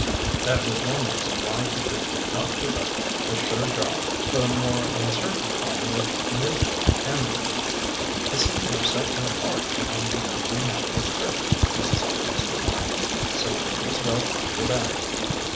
That was one reason why he could not give up a sure job for the more uncertain calling of newsreel cameraman. "I see you have set your heart upon the Indianapolis trip," Mrs. Evans remarked, "so you may as well pack your bag."